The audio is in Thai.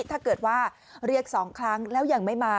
ถ้าเกิดว่าเรียก๒ครั้งแล้วยังไม่มา